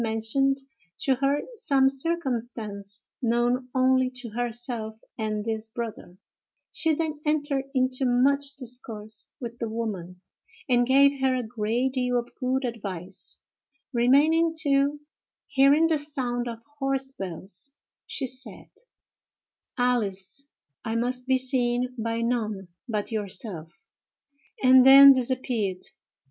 mentioned to her some circumstance known only to herself and this brother; she then entered into much discourse with the woman, and gave her a great deal of good advice, remaining till, hearing the sound of horse bells, she said: "Alice, I must be seen by none but yourself," and then disappeared.